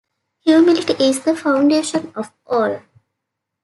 Humility is the foundation of all.